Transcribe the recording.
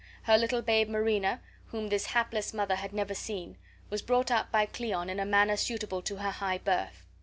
Her little babe Marina, whom this hapless mother had never seen, was brought up by Cleon in a manner suitable to her high birth.